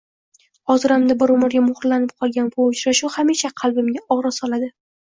Xotiramda bir umrga muhrlanib qolgan bu uchrashuv hamisha qalbimga og`riq soladi